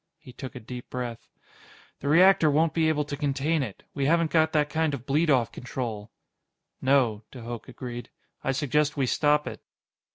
He took a deep breath. "The reactor won't be able to contain it. We haven't got that kind of bleed off control." "No," de Hooch agreed. "I suggest we stop it."